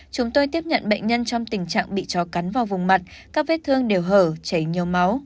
chúng tôi tiếp nhận bệnh nhân trong tình trạng bị chó cắn vào vùng mặt các vết thương đều hở chảy nhiều máu